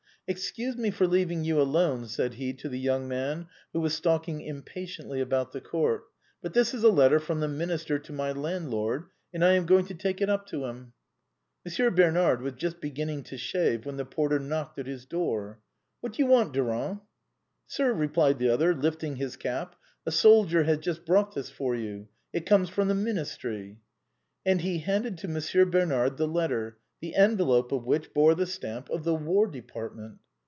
" Excuse me for leaving you alone," said he to the young man who was stalking impatiently about the court, " but this is a letter from the Minister to my landlord, and I am going to take it up to him." Monsieur Bernard was just beginning to shave when the porter knocked at his door, " What do you want, Durand ?"" Sir," replied the other, lifting his cap, " a soldier has just brought this for you. It comes from the Ministry." And he handed to Monsieur Bernard the letter, the enve lope of which bore the stamp of the War Department.